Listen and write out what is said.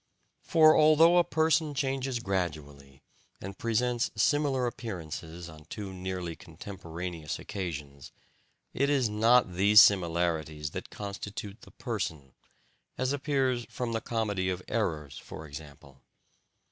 For although a person changes gradually, and presents similar appearances on two nearly contemporaneous occasions, it is not these similarities that constitute the person, as appears from the "Comedy of Errors" for example.